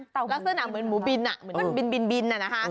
แล้วเสื้อหนักเหมือนหมูบินมันบินนะคะ